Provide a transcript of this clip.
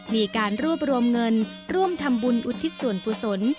มีการรวบรวมเงินร่วมทำบุญอุทิศส่วนกุศล